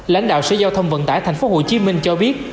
lãnh đạo sở giao thông vận tải tp hcm cho biết